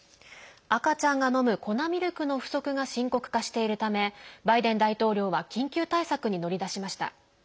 赤ちゃんが飲む、粉ミルクの不足が深刻化しているためバイデン大統領は緊急対策に乗り出しました。